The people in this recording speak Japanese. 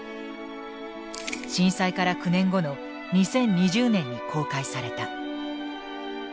震災から９年後の２０２０年に公開された。